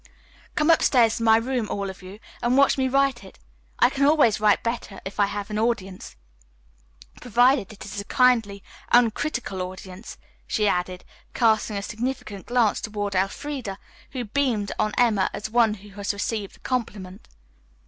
"Come upstairs to my room, all of you, and watch me write it. I can always write better if I have an audience; provided it is a kindly, uncritical audience," she added, casting a significant glance toward Elfreda, who beamed on Emma as one who has received a compliment.